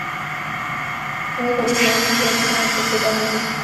څنګه کولی شم د ماشومانو لپاره د جنت خوشبو بیان کړم